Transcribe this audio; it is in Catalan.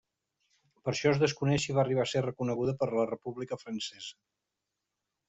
Per això, es desconeix si va arribar a ser reconeguda per la República Francesa.